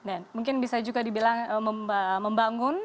dan mungkin bisa juga dibilang membangun